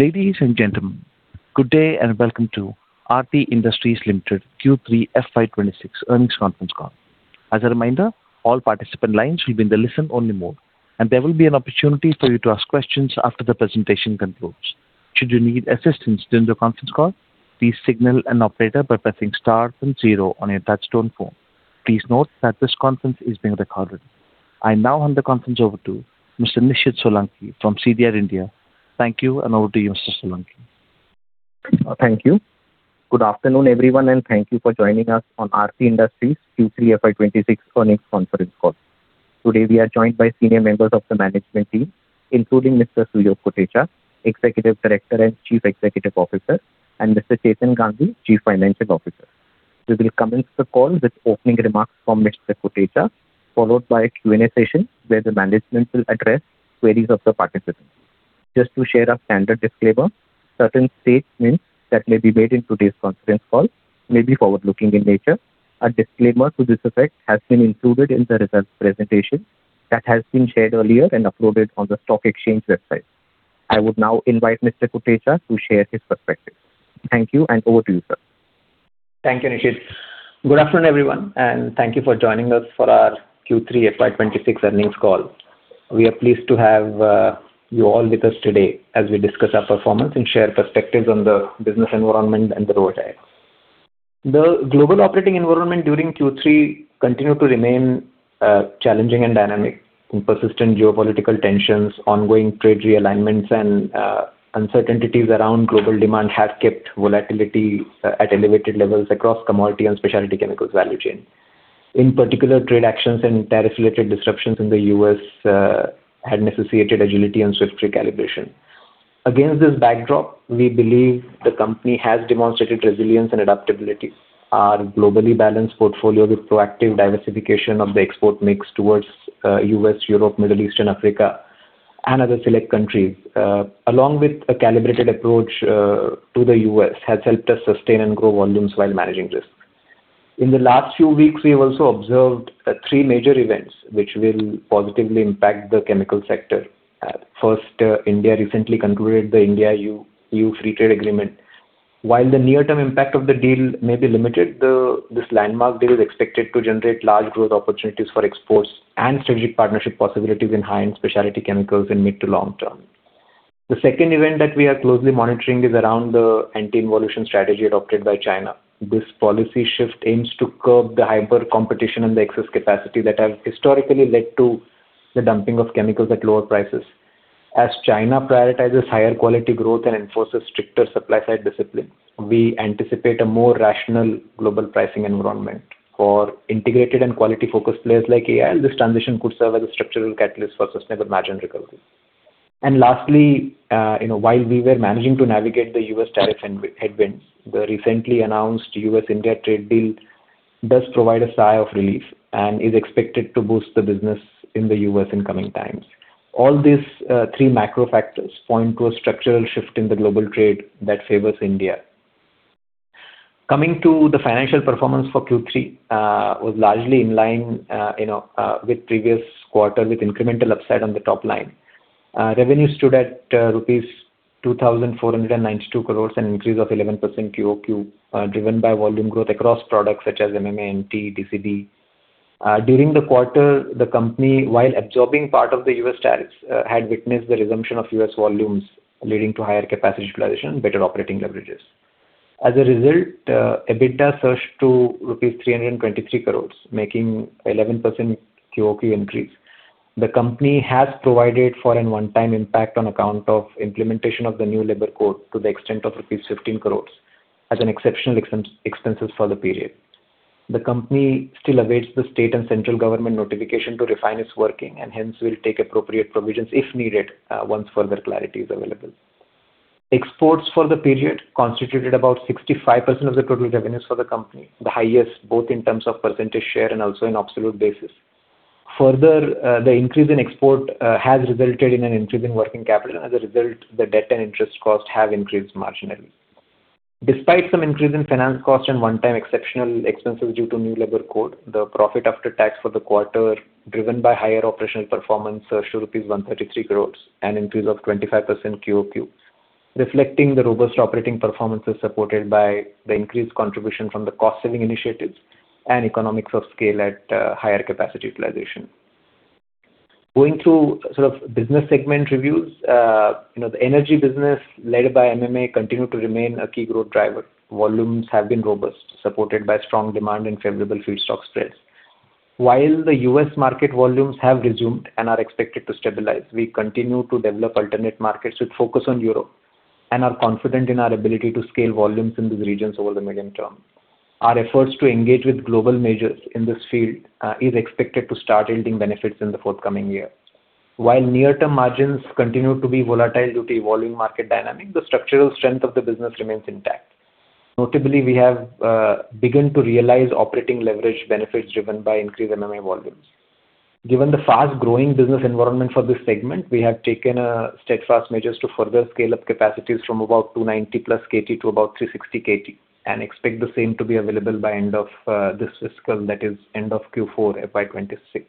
Ladies and gentlemen, good day, and welcome to Aarti Industries Limited Q3 FY 2026 earnings conference call. As a reminder, all participant lines will be in the listen-only mode, and there will be an opportunity for you to ask questions after the presentation concludes. Should you need assistance during the conference call, please signal an operator by pressing star then zero on your touchtone phone. Please note that this conference is being recorded. I now hand the conference over to Mr. Nishid Solanki from CDR India. Thank you, and over to you, Mr. Solanki. Thank you. Good afternoon, everyone, and thank you for joining us on Aarti Industries Q3 FY 2026 earnings conference call. Today, we are joined by senior members of the management team, including Mr. Suyog Kotecha, Executive Director and Chief Executive Officer, and Mr. Chetan Gandhi, Chief Financial Officer. We will commence the call with opening remarks from Mr. Kotecha, followed by a Q&A session, where the management will address queries of the participants. Just to share our standard disclaimer, certain statements that may be made in today's conference call may be forward-looking in nature. A disclaimer to this effect has been included in the results presentation that has been shared earlier and uploaded on the stock exchange website. I would now invite Mr. Kotecha to share his perspective. Thank you, and over to you, sir. Thank you, Nishid. Good afternoon, everyone, and thank you for joining us for our Q3 FY 2026 earnings call. We are pleased to have you all with us today as we discuss our performance and share perspectives on the business environment and the road ahead. The global operating environment during Q3 continued to remain challenging and dynamic, and persistent geopolitical tensions, ongoing trade realignments and uncertainties around global demand have kept volatility at elevated levels across commodity and specialty chemicals value chain. In particular, trade actions and tariff-related disruptions in the U.S. had necessitated agility and swift recalibration. Against this backdrop, we believe the company has demonstrated resilience and adaptability. Our globally balanced portfolio, with proactive diversification of the export mix towards U.S., Europe, Middle East and Africa, and other select countries, along with a calibrated approach to the U.S., has helped us sustain and grow volumes while managing risk. In the last few weeks, we've also observed three major events which will positively impact the chemical sector. First, India recently concluded the India-EU Free Trade Agreement. While the near-term impact of the deal may be limited, this landmark deal is expected to generate large growth opportunities for exports and strategic partnership possibilities in high-end specialty chemicals in mid- to long-term. The second event that we are closely monitoring is around the anti-involution strategy adopted by China. This policy shift aims to curb the hyper-competition and the excess capacity that has historically led to the dumping of chemicals at lower prices. As China prioritizes higher quality growth and enforces stricter supply-side discipline, we anticipate a more rational global pricing environment. For integrated and quality-focused players like AIL, this transition could serve as a structural catalyst for sustainable margin recovery. And lastly, you know, while we were managing to navigate the U.S. tariff and headwinds, the recently announced U.S.-India trade deal does provide a sigh of relief and is expected to boost the business in the U.S. in coming times. All these, three macro factors point to a structural shift in the global trade that favors India. Coming to the financial performance for Q3, was largely in line, you know, with previous quarter, with incremental upside on the top line. Revenue stood at rupees 2,492 crores, an increase of 11% QoQ, driven by volume growth across products such as MMA, MNT, TCB. During the quarter, the company, while absorbing part of the U.S. tariffs, had witnessed the resumption of U.S. volumes, leading to higher capacity utilization, better operating leverages. As a result, EBITDA surged to rupees 323 crores, making 11% QoQ increase. The company has provided for a one-time impact on account of implementation of the new labor code to the extent of rupees 15 crores as an exceptional expense for the period. The company still awaits the state and central government notification to refine its working, and hence will take appropriate provisions, if needed, once further clarity is available. Exports for the period constituted about 65% of the total revenues for the company, the highest, both in terms of percentage share and also in absolute basis. Further, the increase in export has resulted in an increase in working capital. As a result, the debt and interest costs have increased marginally. Despite some increase in finance costs and one-time exceptional expenses due to new labor code, the profit after tax for the quarter, driven by higher operational performance, surged to rupees 133 crore, an increase of 25% QoQ, reflecting the robust operating performances, supported by the increased contribution from the cost-saving initiatives and economics of scale at higher capacity utilization. Going through sort of business segment reviews, you know, the energy business led by MMA continued to remain a key growth driver. Volumes have been robust, supported by strong demand and favorable feedstock spreads. While the U.S. market volumes have resumed and are expected to stabilize, we continue to develop alternate markets with focus on Europe, and are confident in our ability to scale volumes in these regions over the medium term. Our efforts to engage with global majors in this field, is expected to start yielding benefits in the forthcoming year. While near-term margins continue to be volatile due to evolving market dynamics, the structural strength of the business remains intact. Notably, we have, begun to realize operating leverage benefits driven by increased MMA volumes. Given the fast-growing business environment for this segment, we have taken steadfast measures to further scale up capacities from about 290+ KT to about 360 KT, and expect the same to be available by end of this fiscal, that is end of Q4 FY 2026.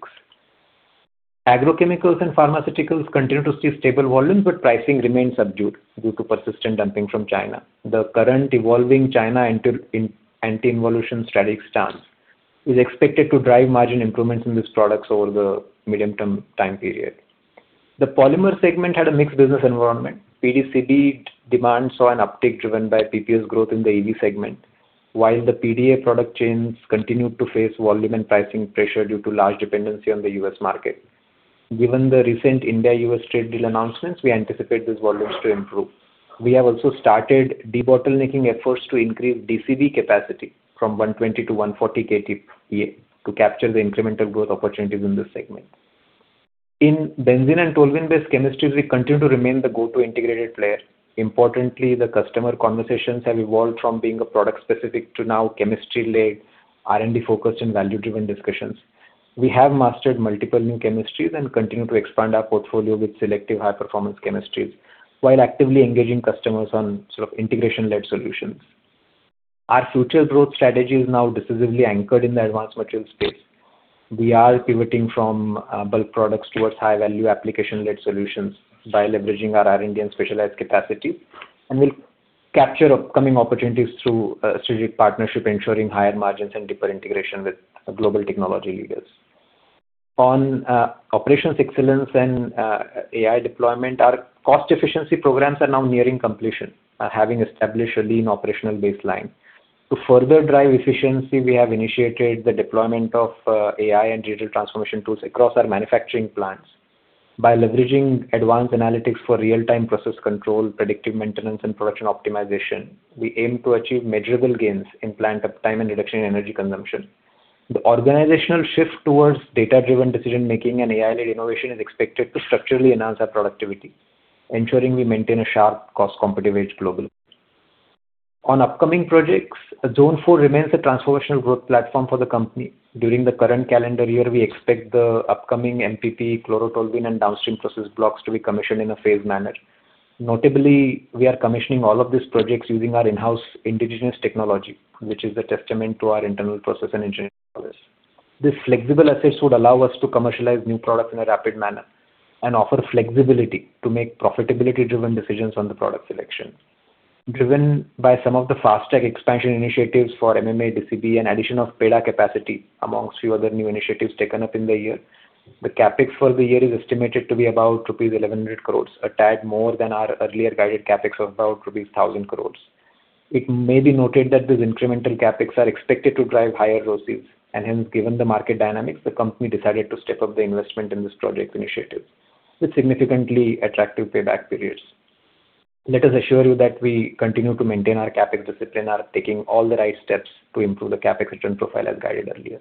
Agrochemicals and pharmaceuticals continue to see stable volumes, but pricing remains subdued due to persistent dumping from China. The current evolving China anti-involution strategic stance is expected to drive margin improvements in these products over the medium term time period. The polymer segment had a mixed business environment. PDCB demand saw an uptick driven by PPS growth in the EV segment, while the PDA product chains continued to face volume and pricing pressure due to large dependency on the U.S. market. Given the recent India-U.S. trade deal announcements, we anticipate these volumes to improve. We have also started debottlenecking efforts to increase DCB capacity from 120 to 140 KTPA to capture the incremental growth opportunities in this segment. In benzene and toluene-based chemistries, we continue to remain the go-to integrated player. Importantly, the customer conversations have evolved from being a product specific to now chemistry-led, R&D-focused, and value-driven discussions. We have mastered multiple new chemistries and continue to expand our portfolio with selective high-performance chemistries, while actively engaging customers on sort of integration-led solutions. Our future growth strategy is now decisively anchored in the advanced materials space. We are pivoting from, bulk products towards high-value, application-led solutions by leveraging our R&D and specialized capacity, and we'll capture upcoming opportunities through, strategic partnership, ensuring higher margins and deeper integration with global technology leaders. On operations excellence and AI deployment, our cost efficiency programs are now nearing completion, having established a lean operational baseline. To further drive efficiency, we have initiated the deployment of AI and digital transformation tools across our manufacturing plants. By leveraging advanced analytics for real-time process control, predictive maintenance, and production optimization, we aim to achieve measurable gains in plant uptime and reduction in energy consumption. The organizational shift towards data-driven decision-making and AI-led innovation is expected to structurally enhance our productivity, ensuring we maintain a sharp cost competitive edge globally. On upcoming projects, Zone-4 remains a transformational growth platform for the company. During the current calendar year, we expect the upcoming MPP, chlorotoluene, and downstream process blocks to be commissioned in a phased manner. Notably, we are commissioning all of these projects using our in-house indigenous technology, which is a testament to our internal process and engineering prowess. This flexible assets would allow us to commercialize new products in a rapid manner and offer flexibility to make profitability-driven decisions on the product selection. Driven by some of the fast-track expansion initiatives for MMA, DCB, and addition of PEDA capacity, amongst few other new initiatives taken up in the year, the CapEx for the year is estimated to be about rupees 1,100 crores, a tad more than our earlier guided CapEx of about rupees 1,000 crores. It may be noted that these incremental CapEx are expected to drive higher ROCEs, and hence, given the market dynamics, the company decided to step up the investment in this project initiative with significantly attractive payback periods. Let us assure you that we continue to maintain our CapEx discipline, are taking all the right steps to improve the CapEx return profile as guided earlier.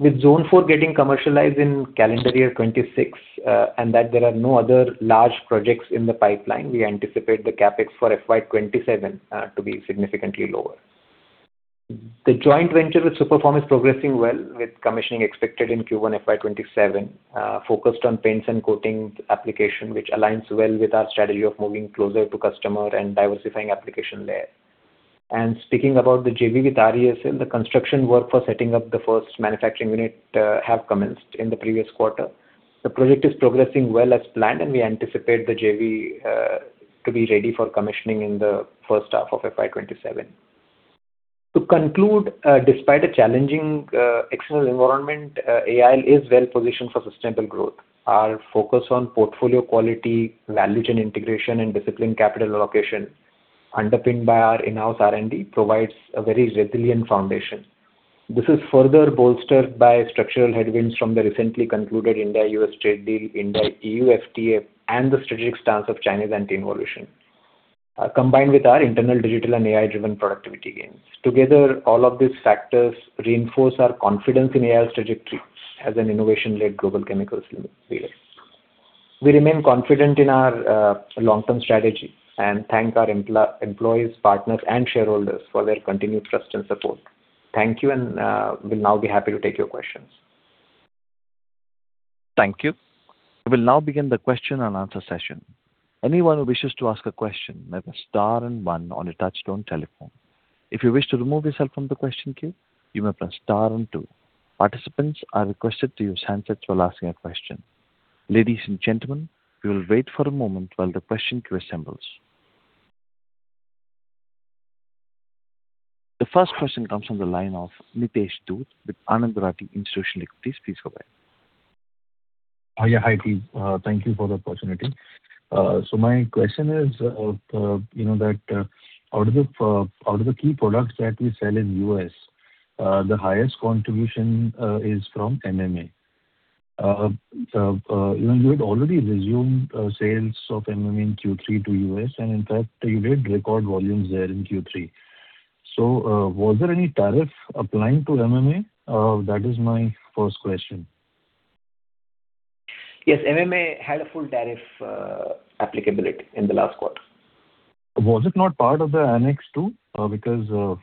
With Zone-4 getting commercialized in calendar year 2026, and that there are no other large projects in the pipeline, we anticipate the CapEx for FY 2027 to be significantly lower. The joint venture with Superform is progressing well, with commissioning expected in Q1 FY 2027, focused on paints and coatings application, which aligns well with our strategy of moving closer to customer and diversifying application layer. And speaking about the JV with RES, the construction work for setting up the first manufacturing unit have commenced in the previous quarter. The project is progressing well as planned, and we anticipate the JV to be ready for commissioning in the first half of FY 2027. To conclude, despite a challenging external environment, AIL is well positioned for sustainable growth. Our focus on portfolio quality, value chain integration, and disciplined capital allocation, underpinned by our in-house R&D, provides a very resilient foundation. This is further bolstered by structural headwinds from the recently concluded India-U.S. trade deal, India-EU FTA, and the strategic stance of Chinese anti-involution, combined with our internal digital and AI-driven productivity gains. Together, all of these factors reinforce our confidence in AIL's trajectory as an innovation-led global chemicals leader. We remain confident in our long-term strategy and thank our employees, partners, and shareholders for their continued trust and support. Thank you, and we'll now be happy to take your questions. Thank you. We will now begin the question and answer session. Anyone who wishes to ask a question, press star and one on your touch-tone telephone. If you wish to remove yourself from the question queue, you may press star and two. Participants are requested to use handsets while asking a question. Ladies and gentlemen, we will wait for a moment while the question queue assembles. The first question comes from the line of Nitesh Dhoot with Anand Rathi Institutional Equity. Please go ahead. Oh, yeah. Hi, Keith. Thank you for the opportunity. So my question is, you know, that out of the key products that we sell in U.S., the highest contribution is from MMA. You had already resumed sales of MMA in Q3 to U.S., and in fact, you did record volumes there in Q3. So, was there any tariff applying to MMA? That is my first question. Yes, MMA had a full tariff applicability in the last quarter. Was it not part of the Annex 2? Because,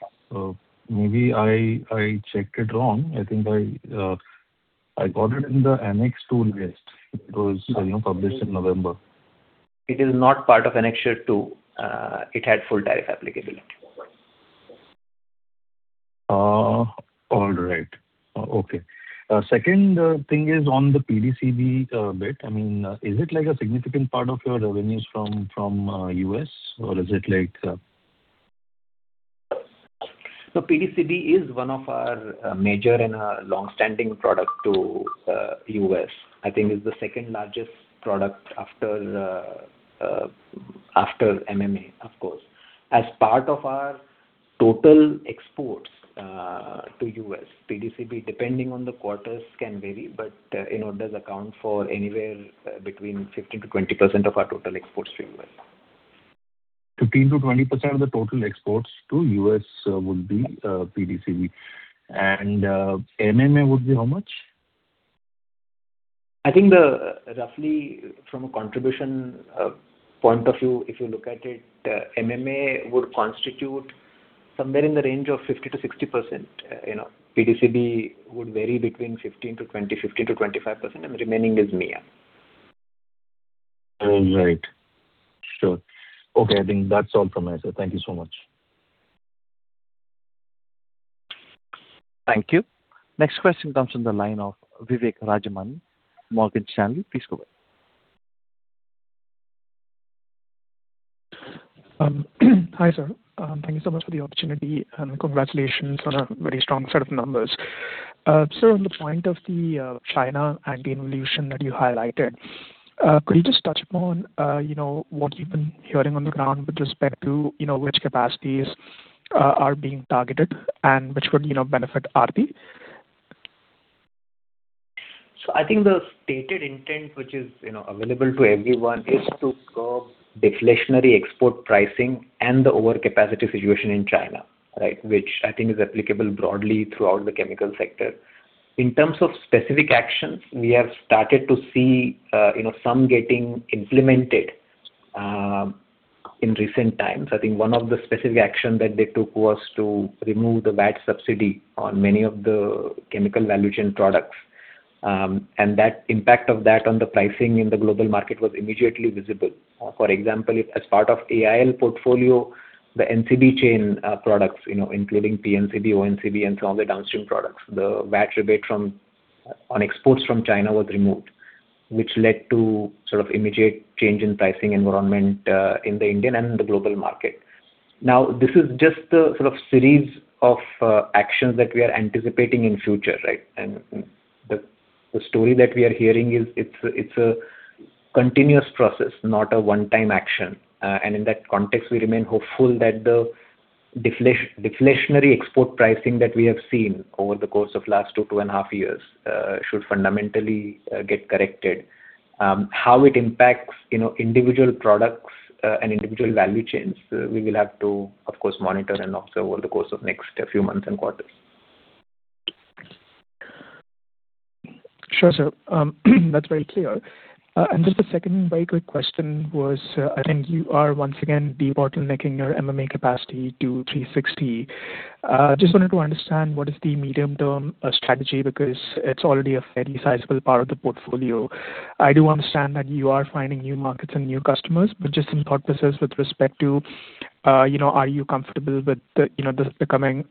maybe I checked it wrong. I think I got it in the Annex two list. It was, you know, published in November. It is not part of Annexure 2. It had full tariff applicability. All right. Okay. Second thing is on the PDCB bit. I mean, is it like a significant part of your revenues from the U.S., or is it like? So PDCB is one of our major and long-standing product to U.S. I think it's the second largest product after the after MMA, of course. As part of our total exports to U.S., PDCB, depending on the quarters, can vary, but you know, does account for anywhere between 15%-20% of our total exports to U.S. 15%-20% of the total exports to U.S. would be PDCB. And MMA would be how much? I think the, roughly from a contribution, point of view, if you look at it, MMA would constitute somewhere in the range of 50%-60%. You know, PDCB would vary between 15%-20%, 15%-25%, and the remaining is MEA. All right. Sure. Okay, I think that's all from my side. Thank you so much. Thank you. Next question comes from the line of Vivek Rajamani, Morgan Stanley. Please go ahead. Hi, sir. Thank you so much for the opportunity, and congratulations on a very strong set of numbers. Sir, on the point of the China anti-involution that you highlighted, could you just touch upon, you know, what you've been hearing on the ground with respect to, you know, which capacities are being targeted and which would, you know, benefit RP? So I think the stated intent, which is, you know, available to everyone, is to curb deflationary export pricing and the overcapacity situation in China, right? Which I think is applicable broadly throughout the chemical sector. In terms of specific actions, we have started to see, you know, some getting implemented in recent times. I think one of the specific action that they took was to remove the VAT subsidy on many of the chemical value chain products. And that impact of that on the pricing in the global market was immediately visible. For example, as part of AIL portfolio, the NCB chain products, you know, including PNCB, ONCB and some of the downstream products, the VAT rebate on exports from China was removed, which led to sort of immediate change in pricing environment in the Indian and the global market. Now, this is just the sort of series of actions that we are anticipating in future, right? And the story that we are hearing is it's a continuous process, not a one-time action. And in that context, we remain hopeful that the deflationary export pricing that we have seen over the course of last two, two and a half years should fundamentally get corrected. How it impacts, you know, individual products and individual value chains, we will have to, of course, monitor and observe over the course of next a few months and quarters. Sure, sir. That's very clear. And just a second very quick question was, I think you are once again de-bottlenecking your MMA capacity to 360 KTPA. Just wanted to understand, what is the medium-term strategy, because it's already a very sizable part of the portfolio. I do understand that you are finding new markets and new customers, but just some thought process with respect to, you know, are you comfortable with the, you know, this becoming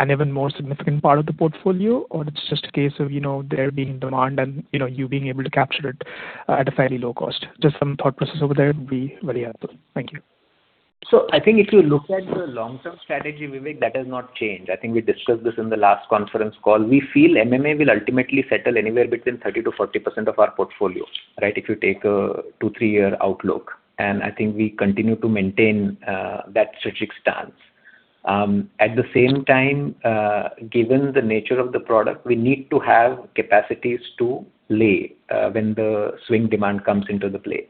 an even more significant part of the portfolio? Or it's just a case of, you know, there being demand and, you know, you being able to capture it at a fairly low cost? Just some thought process over there would be very helpful. Thank you. So I think if you look at the long-term strategy, Vivek, that has not changed. I think we discussed this in the last conference call. We feel MMA will ultimately settle anywhere between 30%-40% of our portfolio, right? If you take a 2-3-year outlook, and I think we continue to maintain that strategic stance. At the same time, given the nature of the product, we need to have capacities to lay when the swing demand comes into the play.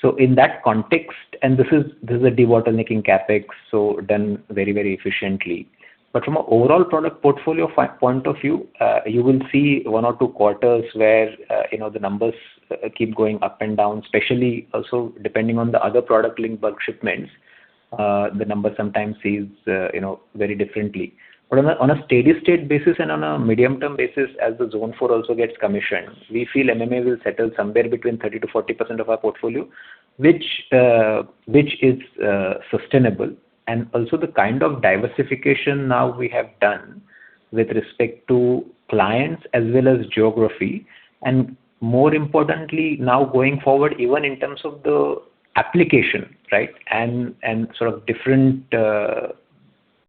So in that context, and this is a bottlenecking CapEx, so done very, very efficiently. But from an overall product portfolio point of view, you will see one or two quarters where, you know, the numbers keep going up and down, especially also depending on the other product-linked bulk shipments, the numbers sometimes seem, you know, very differently. But on a steady-state basis and on a medium-term basis, as the Zone-4 also gets commissioned, we feel MMA will settle somewhere between 30%-40% of our portfolio, which is sustainable. And also the kind of diversification now we have done with respect to clients as well as geography, and more importantly, now going forward, even in terms of the application, right, and, and sort of different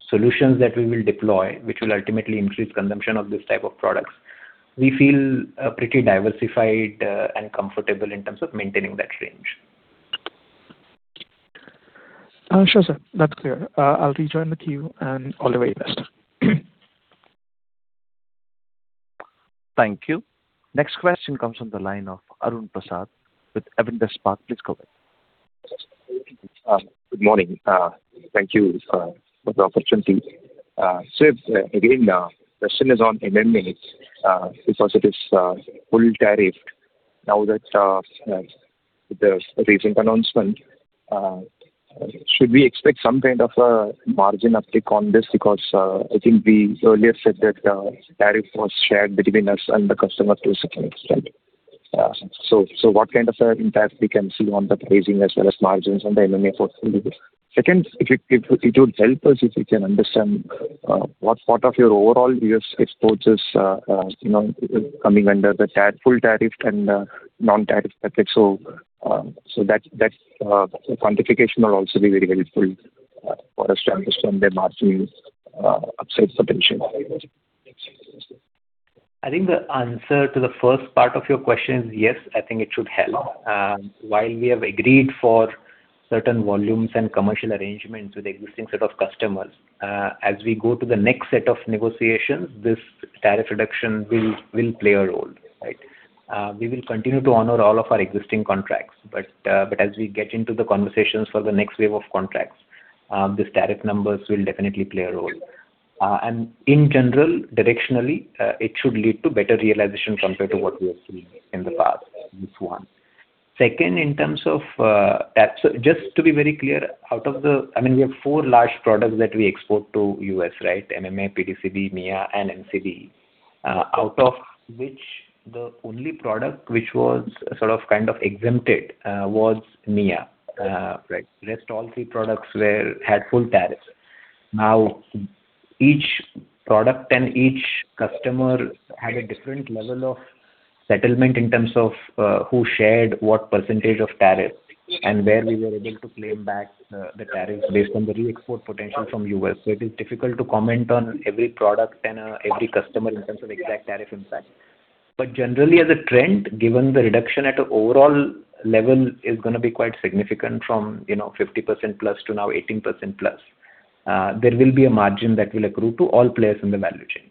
solutions that we will deploy, which will ultimately increase consumption of this type of products, we feel pretty diversified and comfortable in terms of maintaining that range. Sure, sir. That's clear. I'll rejoin the queue, and all the very best. Thank you. Next question comes from the line of Arun Prasath with Avendus Spark. Please go ahead. Good morning. Thank you for the opportunity. So, again, question is on MMA, because it is full tariffed now that the recent announcement, should we expect some kind of a margin uptick on this? Because I think we earlier said that tariff was shared between us and the customer to a certain extent. So what kind of impact we can see on the pricing as well as margins on the MMA portfolio? Second, it would help us if we can understand what part of your overall U.S. exports is, you know, coming under the tariff, full tariff and non-tariff tariff. So that quantification will also be very helpful for us to understand the margins upside potential. I think the answer to the first part of your question is yes, I think it should help. While we have agreed for certain volumes and commercial arrangements with the existing set of customers, as we go to the next set of negotiations, this tariff reduction will play a role, right? We will continue to honor all of our existing contracts, but as we get into the conversations for the next wave of contracts, these tariff numbers will definitely play a role. And in general, directionally, it should lead to better realization compared to what we have seen in the past, this one. Second, in terms of, just to be very clear, I mean, we have four large products that we export to the U.S., right? MMA, PDCB, MEA, and MCB. Out of which, the only product which was sort of, kind of exempted, was MEA. Right. Rest, all three products were, had full tariffs. Now, each product and each customer had a different level of settlement in terms of, who shared what percentage of tariff, and where we were able to claim back the, the tariff based on the re-export potential from U.S. So it is difficult to comment on every product and, every customer in terms of exact tariff impact. But generally, as a trend, given the reduction at an overall level is gonna be quite significant from, you know, 50%+ to now 18%+, there will be a margin that will accrue to all players in the value chain.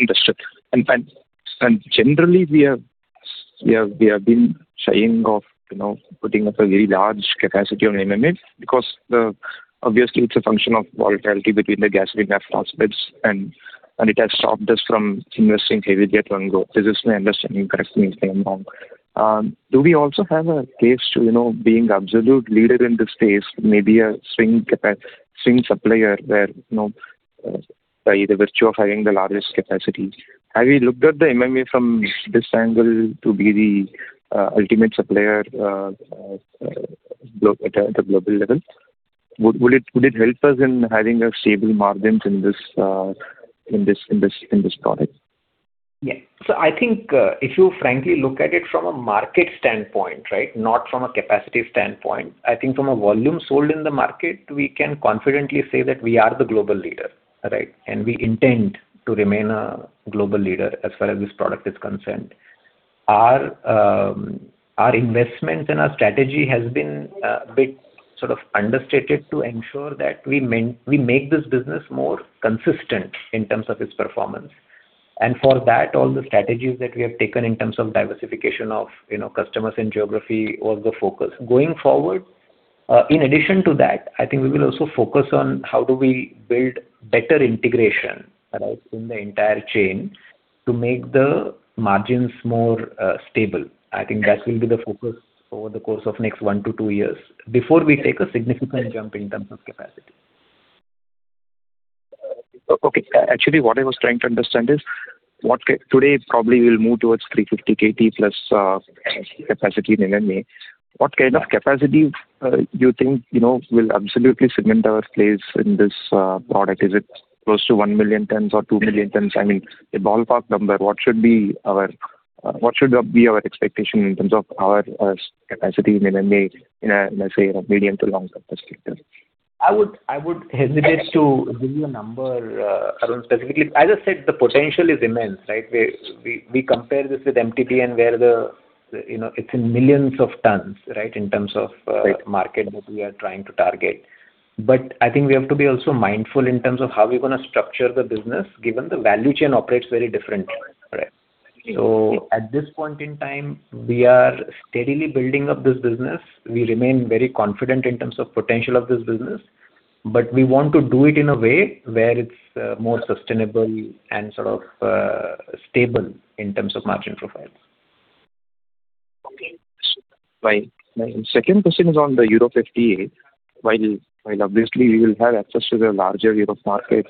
Understood. And generally, we have been shying off, you know, putting up a very large capacity on MMA because the, obviously, it's a function of volatility between the gasoline and phosphate, and it has stopped us from investing heavily at one go. This is my understanding, correct me if I'm wrong. Do we also have a case to, you know, being absolute leader in this space, maybe a swing capa, swing supplier where, you know, by the virtue of having the largest capacity? Have you looked at the MMA from this angle to be the ultimate supplier at a global level? Would it help us in having a stable margins in this product? Yeah. So I think, if you frankly look at it from a market standpoint, right, not from a capacity standpoint, I think from a volume sold in the market, we can confidently say that we are the global leader, right? And we intend to remain a global leader as far as this product is concerned. Our, our investments and our strategy has been, bit sort of understated to ensure that we make this business more consistent in terms of its performance. And for that, all the strategies that we have taken in terms of diversification of, you know, customers and geography was the focus. Going forward, in addition to that, I think we will also focus on how do we build better integration, right, in the entire chain to make the margins more, stable. I think that will be the focus over the course of the next 1-2 years, before we take a significant jump in terms of capacity. Okay. Actually, what I was trying to understand is what capacity. Today, probably we'll move towards 350+ KT capacity in MMA. What kind of capacity, you think, you know, will absolutely cement our place in this, product? Is it close to 1 million tons or 2 million tons? I mean, a ballpark number, what should be our, what should, be our expectation in terms of our, capacity in MMA in a, let's say, a medium to long term perspective? I would hesitate to give you a number, Arun, specifically. As I said, the potential is immense, right? We compare this with MT and where, you know, it's in millions of tons, right, in terms of. Right Market that we are trying to target. But I think we have to be also mindful in terms of how we're gonna structure the business, given the value chain operates very differently, right. So at this point in time, we are steadily building up this business. We remain very confident in terms of potential of this business, but we want to do it in a way where it's, more sustainable and sort of, stable in terms of margin profiles. Okay. My second question is on the EU FTA. While obviously we will have access to the larger European market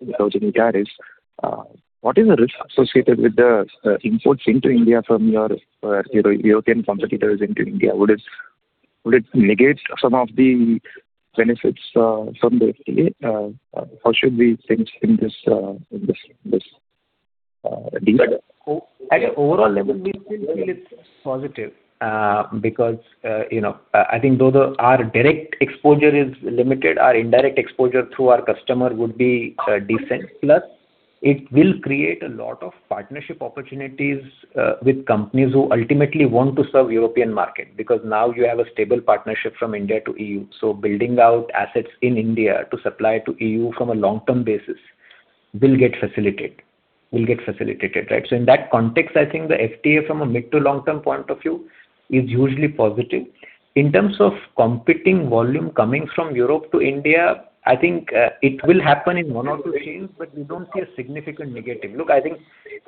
without any tariffs, what is the risk associated with the imports into India from your European competitors into India? Would it negate some of the benefits from the FTA? How should we think in this deal? At an overall level, we still feel it's positive, because, you know, I think though the, our direct exposure is limited, our indirect exposure through our customer would be, decent. Plus, it will create a lot of partnership opportunities, with companies who ultimately want to serve European market, because now you have a stable partnership from India to EU. So building out assets in India to supply to EU from a long-term basis will get facilitate, will get facilitated, right? So in that context, I think the FTA from a mid to long-term point of view is hugely positive. In terms of competing volume coming from Europe to India, I think, it will happen in one or two chains, but we don't see a significant negative. Look, I think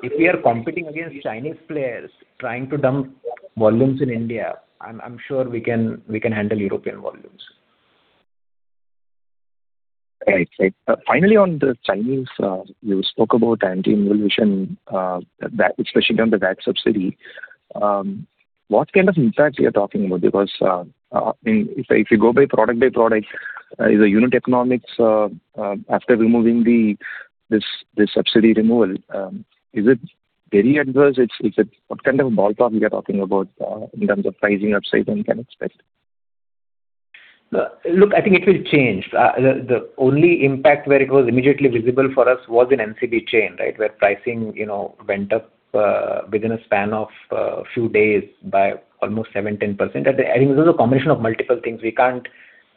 if we are competing against Chinese players trying to dump volumes in India, I'm sure we can handle European volumes. Right, right. Finally, on the Chinese, you spoke about anti-involution, that, especially on the VAT subsidy. What kind of impact we are talking about? Because, I mean, if I, if you go by product by product, is the unit economics, after removing the, this, this subsidy removal, is it very adverse? It's, is it. What kind of a ballpark we are talking about, in terms of pricing upside one can expect? Look, I think it will change. The only impact where it was immediately visible for us was in MCB chain, right? Where pricing, you know, went up within a span of few days by almost 7%-10%. I think it was a combination of multiple things. We can't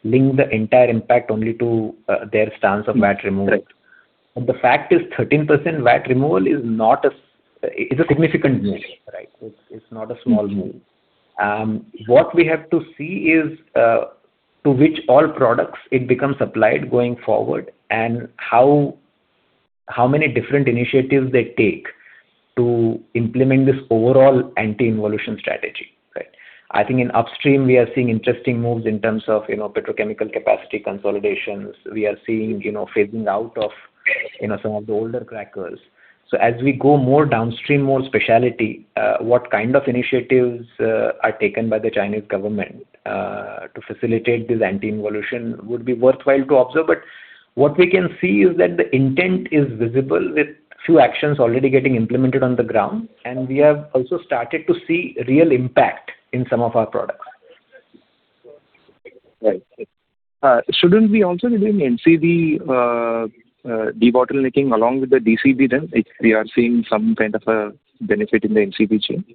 link the entire impact only to their stance of VAT removal. Right. The fact is 13% VAT removal is not a significant move, right? It's, it's not a small move. Mm-hmm. What we have to see is to which all products it becomes applied going forward, and how, how many different initiatives they take to implement this overall anti-involution strategy, right? I think in upstream we are seeing interesting moves in terms of, you know, petrochemical capacity consolidations. We are seeing, you know, phasing out of, you know, some of the older crackers. So as we go more downstream, more specialty, what kind of initiatives are taken by the Chinese government to facilitate this anti-involution would be worthwhile to observe. But what we can see is that the intent is visible, with few actions already getting implemented on the ground, and we have also started to see real impact in some of our products. Right. Shouldn't we also be doing MCB debottlenecking along with the DCB then, if we are seeing some kind of a benefit in the MCB chain?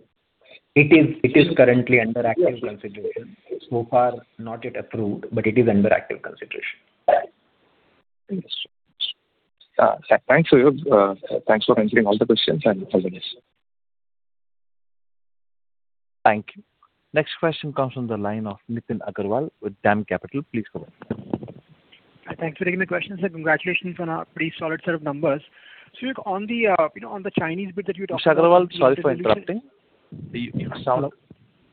It is, it is currently under active consideration. Yes. So far, not yet approved, but it is under active consideration. Right. Thanks. Thanks, Suyog. Thanks for answering all the questions and all the rest. Thank you. Next question comes from the line of Nitin Agarwal with DAM Capital. Please go ahead. Thanks for taking the question, sir. Congratulations on a pretty solid set of numbers. Suyog, on the, you know, on the Chinese bit that you talked about- Mr. Agarwal, sorry for interrupting. Your sound.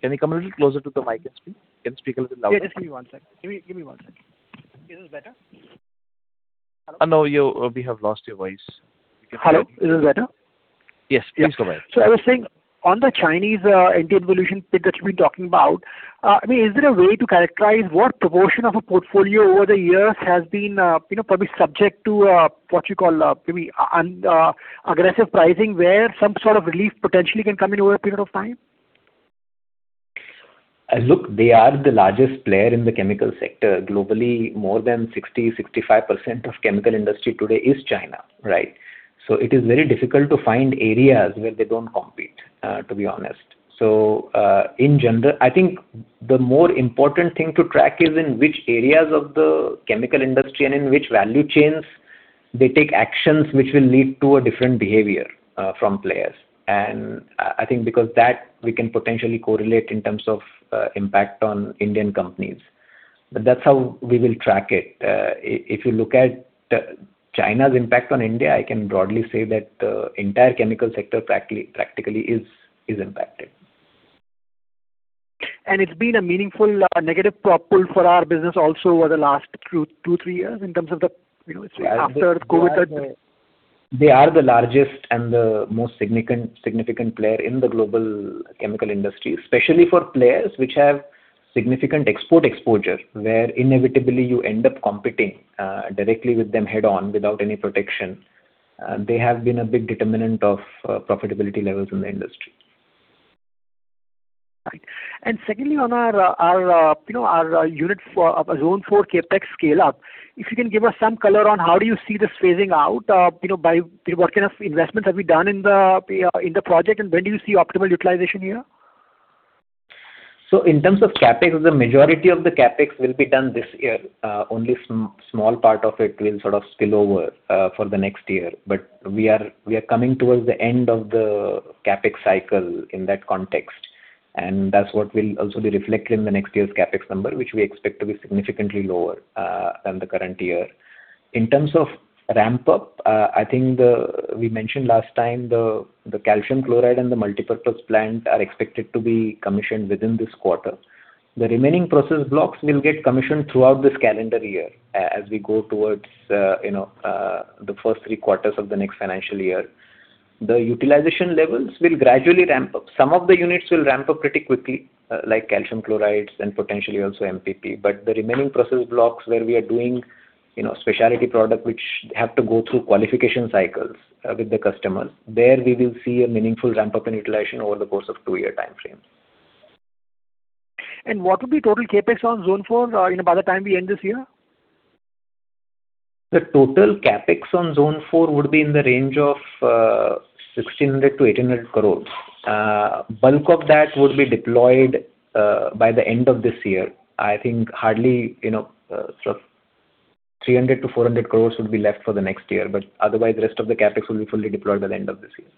Can you come a little closer to the mic and speak? You can speak a little louder. Yeah, just give me one second. Give me, give me one second. Is this better? No, you, we have lost your voice. Hello, is this better? Yes, please go ahead. So I was saying, on the Chinese, anti-involution bit that you've been talking about, I mean, is there a way to characterize what proportion of a portfolio over the years has been, you know, probably subject to, what you call, maybe, aggressive pricing, where some sort of relief potentially can come in over a period of time? Look, they are the largest player in the chemical sector. Globally, more than 65% of chemical industry today is China, right? So it is very difficult to find areas where they don't compete, to be honest. So, in general, I think the more important thing to track is in which areas of the chemical industry and in which value chains they take actions which will lead to a different behavior from players. And, I think because that we can potentially correlate in terms of impact on Indian companies. But that's how we will track it. If you look at the, China's impact on India, I can broadly say that entire chemical sector practically is impacted. It's been a meaningful, negative pull for our business also over the last 2, 2, 3 years in terms of the, you know, after COVID? They are the largest and the most significant player in the global chemical industry. Especially for players which have significant export exposure, where inevitably you end up competing directly with them head-on without any protection. They have been a big determinant of profitability levels in the industry. Right. And secondly, on our you know, our unit for Zone-4 CapEx scale-up, if you can give us some color on how do you see this phasing out, you know, by what kind of investments have we done in the in the project, and when do you see optimal utilization here? So in terms of CapEx, the majority of the CapEx will be done this year. Only small part of it will sort of spill over for the next year. But we are coming towards the end of the CapEx cycle in that context, and that's what will also be reflected in the next year's CapEx number, which we expect to be significantly lower than the current year. In terms of ramp-up, I think we mentioned last time, the calcium chloride and the multipurpose plant are expected to be commissioned within this quarter. The remaining process blocks will get commissioned throughout this calendar year, as we go towards, you know, the first three quarters of the next financial year. The utilization levels will gradually ramp up. Some of the units will ramp up pretty quickly, like calcium chlorides and potentially also MPP. But the remaining process blocks where we are doing, you know, specialty product, which have to go through qualification cycles, with the customers, there we will see a meaningful ramp-up in utilization over the course of two-year timeframe. What will be total CapEx on Zone-4, you know, by the time we end this year? The total CapEx on Zone-4 would be in the range of 1,600 crores-1,800 crores. Bulk of that would be deployed by the end of this year. I think hardly, you know, sort of 300 crores-400 crores would be left for the next year, but otherwise, the rest of the CapEx will be fully deployed by the end of this year.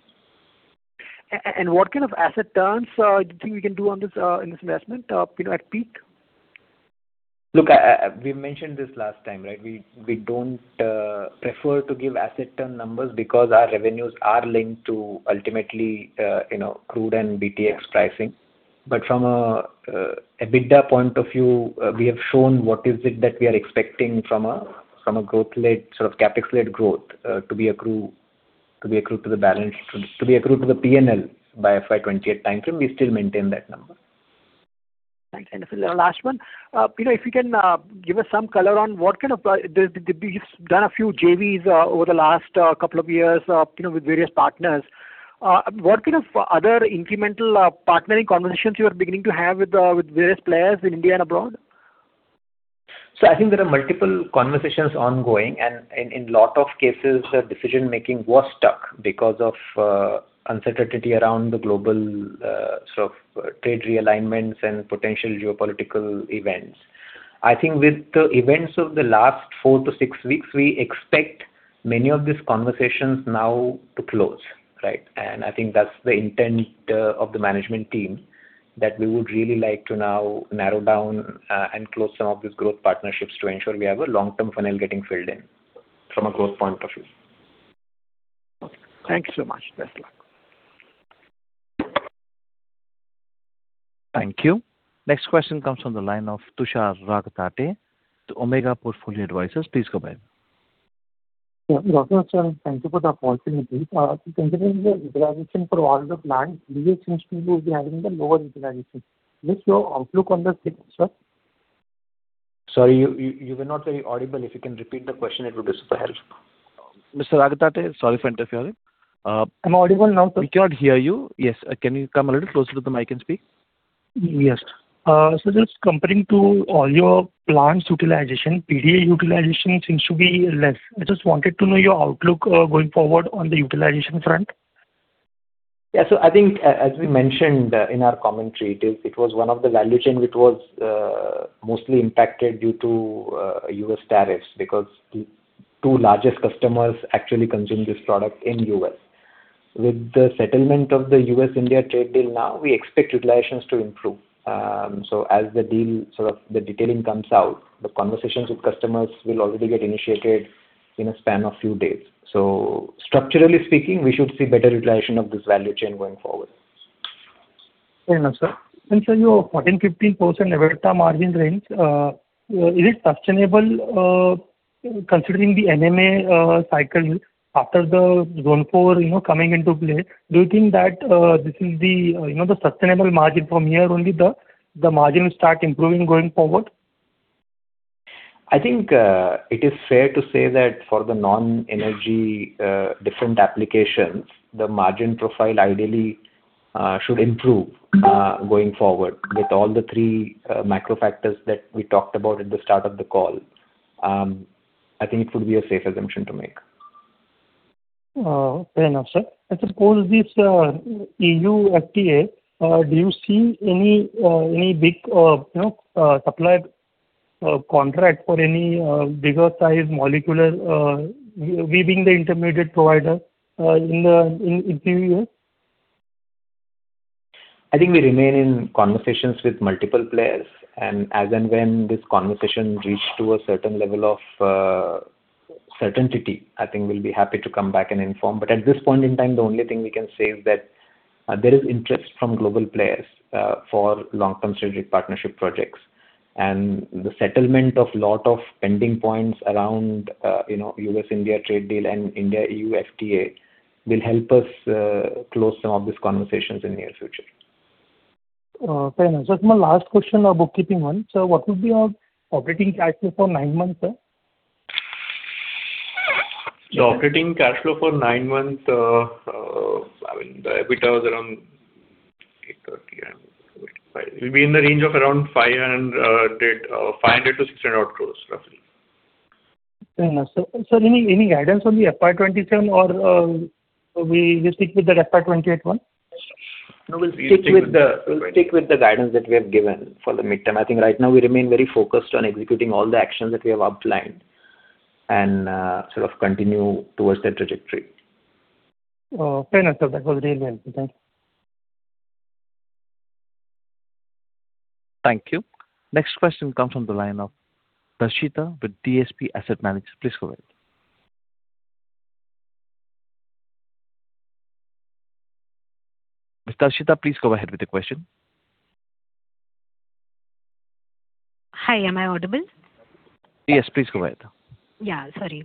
What kind of asset turns do you think we can do on this, in this investment, you know, at peak? Look, we mentioned this last time, right? We don't prefer to give asset term numbers because our revenues are linked to ultimately, you know, crude and BTEX pricing. But from a EBITDA point of view, we have shown what is it that we are expecting from a growth-led, sort of, CapEx-led growth, to be accrued to the balance, to be accrued to the P&L by FY 2028 time frame. We still maintain that number. Thanks. And the last one, you know, if you can give us some color on what kind of you've done a few JVs over the last couple of years, you know, with various partners. What kind of other incremental partnering conversations you are beginning to have with various players in India and abroad? So I think there are multiple conversations ongoing, and in a lot of cases, the decision-making was stuck because of uncertainty around the global sort of trade realignments and potential geopolitical events. I think with the events of the last 4-6 weeks, we expect many of these conversations now to close, right? And I think that's the intent of the management team, that we would really like to now narrow down and close some of these growth partnerships to ensure we have a long-term funnel getting filled in from a growth point of view. Okay. Thank you so much. Best luck. Thank you. Next question comes from the line of Tushar Raghatate, the Omega Portfolio Advisors. Please go ahead. Yeah, thank you for the opportunity. Considering the utilization for all the plants, do you seem to be having the lower utilization? What's your outlook on this thing, sir? Sorry, you were not very audible. If you can repeat the question, it would be super helpful. Mr. Raghuwate, sorry to interrupt you. Am I audible now, sir? We can't hear you. Yes. Can you come a little closer to the mic and speak? Yes. So just comparing to all your plants' utilization, PDA utilization seems to be less. I just wanted to know your outlook, going forward on the utilization front. Yeah. So I think as we mentioned, in our commentary, it is, it was one of the value chain which was, mostly impacted due to, U.S. tariffs, because the two largest customers actually consume this product in U.S. With the settlement of the U.S.-India trade deal now, we expect utilizations to improve. So as the deal, sort of the detailing comes out, the conversations with customers will already get initiated in a span of few days. So structurally speaking, we should see better utilization of this value chain going forward. Fair enough, sir. And sir, your 14%-15% EBITDA margin range, is it sustainable, considering the MMA cycle after the Zone-4, you know, coming into play? Do you think that this is the, you know, the sustainable margin from here only, the margin will start improving going forward? I think, it is fair to say that for the non-energy, different applications, the margin profile ideally, should improve, going forward with all the three, macro factors that we talked about at the start of the call. I think it would be a safe assumption to make. Fair enough, sir. And suppose this EU FTA, do you see any big, you know, supply contract for any bigger size molecular, we being the intermediate provider, in a few years? I think we remain in conversations with multiple players, and as and when this conversation reached to a certain level of certainty, I think we'll be happy to come back and inform. But at this point in time, the only thing we can say is that there is interest from global players for long-term strategic partnership projects. And the settlement of lot of pending points around, you know, U.S.-India trade deal and India-EU FTA will help us close some of these conversations in near future. Fair enough. Just my last question on bookkeeping one. So what will be our operating cash flow for nine months, sir? The operating cash flow for nine months, I mean, the EBITDA was around 845. It will be in the range of around 500 crores-600 crores, roughly. Fair enough, sir. So any guidance on the FY 2027 or, we stick with the FY 2028 one? No, we'll stick with the guidance that we have given for the midterm. I think right now we remain very focused on executing all the actions that we have outlined and, sort of continue towards that trajectory. Oh, fair enough, sir. That was really helpful. Thank you. Thank you. Next question comes from the line of Darshita with DSP Asset Management. Please go ahead. Darshita, please go ahead with your question. Hi, am I audible? Yes, please go ahead. Yeah, sorry.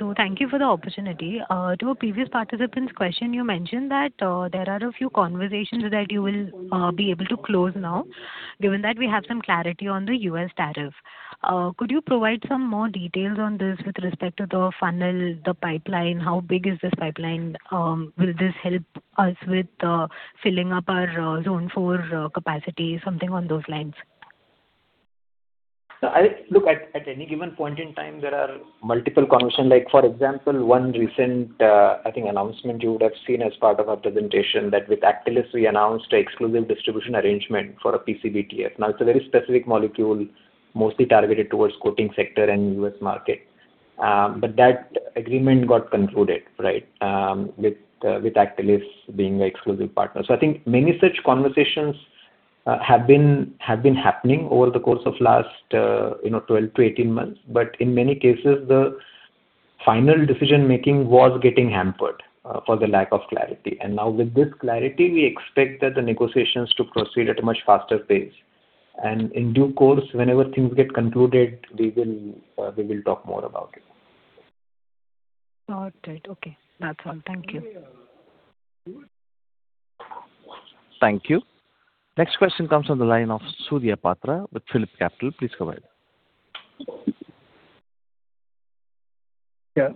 So thank you for the opportunity. To a previous participant's question, you mentioned that there are a few conversations that you will be able to close now, given that we have some clarity on the U.S. tariff. Could you provide some more details on this with respect to the funnel, the pipeline? How big is this pipeline? Will this help us with filling up our Zone-4 capacity? Something on those lines. Look, at any given point in time, there are multiple conversations. Like, for example, one recent, I think announcement you would have seen as part of our presentation, that with Actylis, we announced an exclusive distribution arrangement for a PCBTF. Now, it's a very specific molecule, mostly targeted towards coating sector and U.S. market. But that agreement got concluded, right, with Actylis being the exclusive partner. So I think many such conversations have been happening over the course of last, you know, 12-18 months. But in many cases, the final decision-making was getting hampered for the lack of clarity. And now with this clarity, we expect that the negotiations to proceed at a much faster pace. And in due course, whenever things get concluded, we will talk more about it. Got it. Okay, that's all. Thank you. Thank you. Next question comes on the line of Surya Patra with PhillipCapital. Please go ahead. Yeah.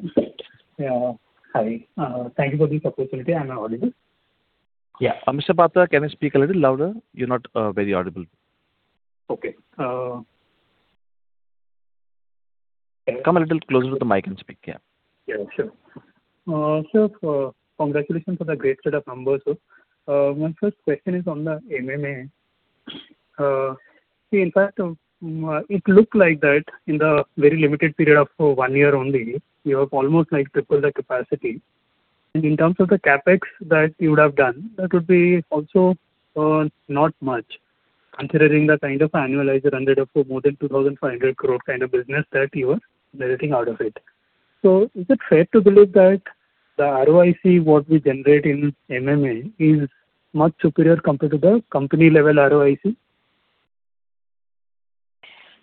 Yeah, hi. Thank you for the opportunity. I'm audible? Yeah. Mr. Patra, can you speak a little louder? You're not very audible. Okay. Uh. Come a little closer to the mic and speak. Yeah. Yeah, sure. Sir, congratulations on the great set of numbers, sir. My first question is on the MMA. In fact, it looked like that in the very limited period of one year only, you have almost, like, tripled the capacity. And in terms of the CapEx that you would have done, that would be also not much, considering the kind of annualized run rate of more than 2,500 crore kind of business that you are getting out of it. So is it fair to believe that the ROIC what we generate in MMA is much superior compared to the company-level ROIC?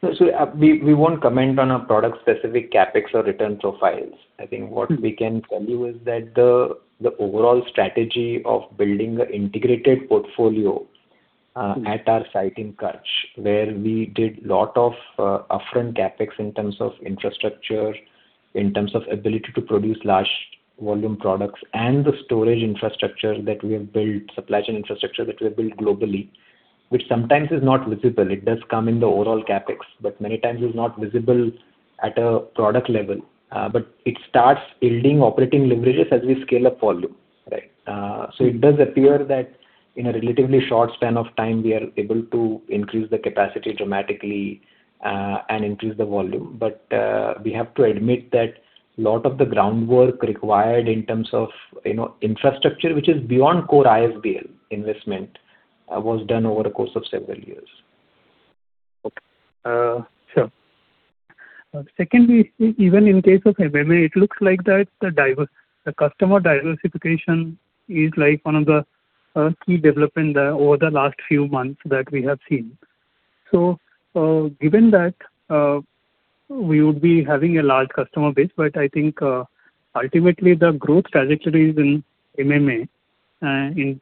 No, so we won't comment on a product-specific CapEx or return profiles. I think what we can tell you is that the overall strategy of building an integrated portfolio at our site in Kutch, where we did a lot of upfront CapEx in terms of infrastructure, in terms of ability to produce large volume products and the storage infrastructure that we have built, supply chain infrastructure that we have built globally, which sometimes is not visible. It does come in the overall CapEx, but many times it's not visible at a product level. But it starts building operating leverages as we scale up volume, right? So it does appear that in a relatively short span of time, we are able to increase the capacity dramatically and increase the volume. We have to admit that lot of the groundwork required in terms of, you know, infrastructure, which is beyond core ISBL investment, was done over the course of several years. Okay. Sure. Secondly, even in case of MMA, it looks like that the customer diversification is, like, one of the key development over the last few months that we have seen. So, given that, we would be having a large customer base, but I think, ultimately the growth trajectory is in MMA and in.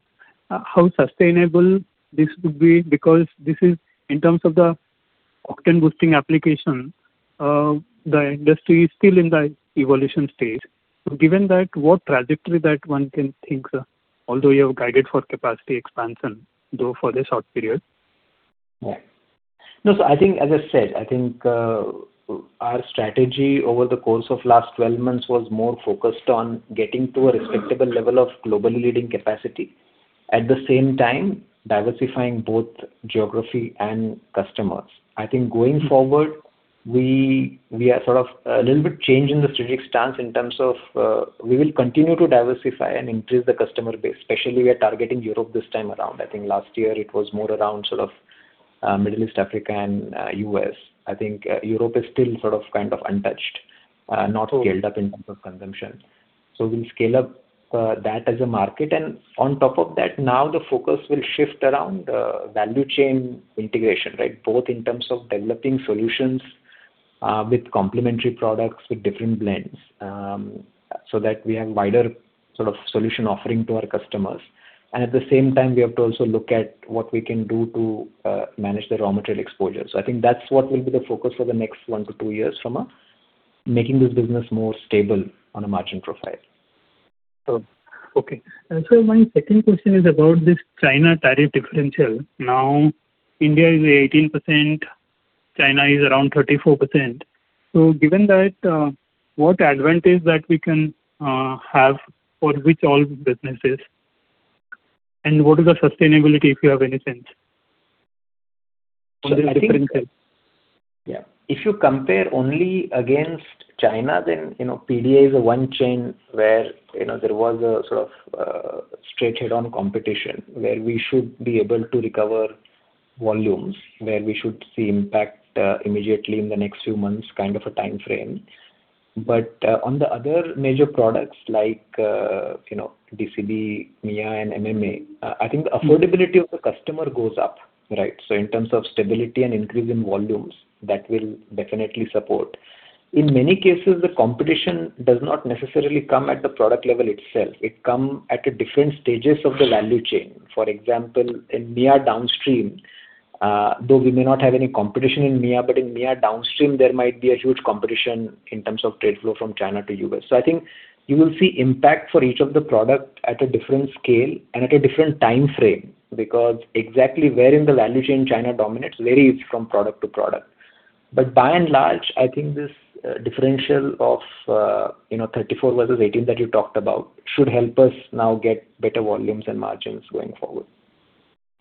How sustainable this would be? Because this is in terms of the octane-boosting application, the industry is still in the evolution stage. So given that, what trajectory that one can think, sir, although you have guided for capacity expansion, though for the short period? Right. No, so I think, as I said, I think, our strategy over the course of last 12 months was more focused on getting to a respectable level of global leading capacity, at the same time diversifying both geography and customers. I think going forward, we, we are sort of a little bit changing the strategic stance in terms of, we will continue to diversify and increase the customer base, especially we are targeting Europe this time around. I think last year it was more around sort of, Middle East, Africa, and, U.S. I think, Europe is still sort of, kind of untouched, not scaled up in terms of consumption. So we'll scale up, that as a market, and on top of that, now the focus will shift around, value chain integration, right? Both in terms of developing solutions with complementary products, with different blends, so that we have wider sort of solution offering to our customers. And at the same time, we have to also look at what we can do to manage the raw material exposure. So I think that's what will be the focus for the next 1-2 years from us, making this business more stable on a margin profile. So, okay. And so my second question is about this China tariff differential. Now, India is 18%, China is around 34%. So given that, what advantage that we can have, for which all businesses, and what is the sustainability, if you have any sense on the differential? Yeah. If you compare only against China, then, you know, PDA is a one chain where, you know, there was a sort of straight head-on competition, where we should be able to recover volumes, where we should see impact immediately in the next few months, kind of a time frame. But on the other major products like, you know, DCB, MEA, and MMA, I think the affordability of the customer goes up, right? So in terms of stability and increase in volumes, that will definitely support. In many cases, the competition does not necessarily come at the product level itself. It come at the different stages of the value chain. For example, in MEA downstream, though we may not have any competition in MEA, but in MEA downstream, there might be a huge competition in terms of trade flow from China to U.S. So I think you will see impact for each of the product at a different scale and at a different time frame, because exactly where in the value chain China dominates varies from product to product. But by and large, I think this, differential of, you know, 34 versus 18 that you talked about, should help us now get better volumes and margins going forward.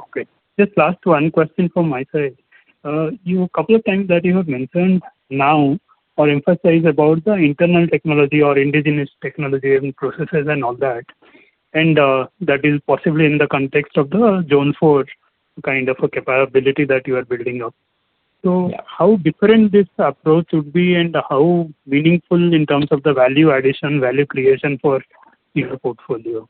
Okay. Just last one question from my side. You, a couple of times that you have mentioned now, or emphasize about the internal technology or indigenous technology and processes and all that, and that is possibly in the context of the Zone-4 kind of a capability that you are building up. So how different this approach would be, and how meaningful in terms of the value addition, value creation for your portfolio?